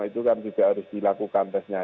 itu kan juga harus dilakukan tesnya